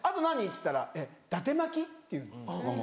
っつったら「だて巻き」って言うの。